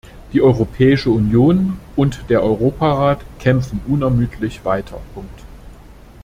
Die Europäische Union und der Europarat kämpfen unermüdlich weiter.